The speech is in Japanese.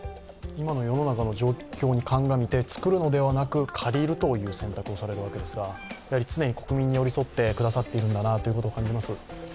今の世の中の状況にかんがみて、作るのではなく借りるという選択をされるわけですが、常に国民に寄り添ってくださってるんだなと感じます。